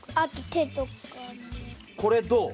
これどう？